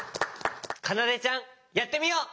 かなでちゃんやってみよう。